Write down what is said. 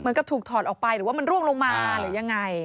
ถูกถอดออกไปหรือว่ามันร่วงลงมาหรือยังไง